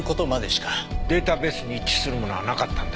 データベースに一致するものはなかったんだ？